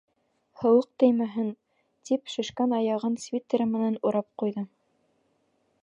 Һыуыҡ теймәһен, тип шешкән аяғын свитеры менән урап ҡуйҙы.